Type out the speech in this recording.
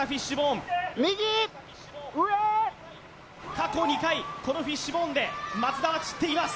過去２回このフィッシュボーンで松田は散っています